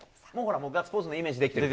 ガッツポーズイメージできてる？